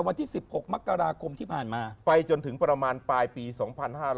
มีสิทธิคนเกิดลาสีสิงกับลาศีกุม